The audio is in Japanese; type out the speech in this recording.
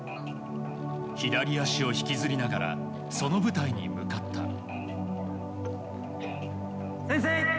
左足を引きずりながらその舞台に向かった。